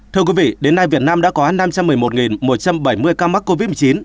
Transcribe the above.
thưa quý vị đến nay việt nam đã có năm trăm một mươi một một trăm bảy mươi ca mắc covid một mươi chín